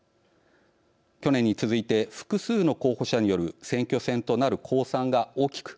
去年に続いて複数の候補者による選挙戦となる公算が大きく